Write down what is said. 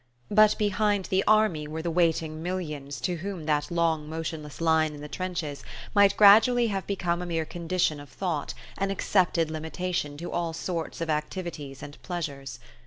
But behind the army were the waiting millions to whom that long motionless line in the trenches might gradually have become a mere condition of thought, an accepted limitation to all sorts of activities and pleasures.